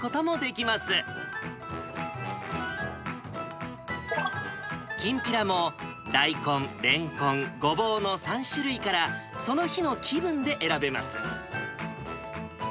きんぴらも、大根、れんこん、ごぼうの３種類からその日の気分で選べます。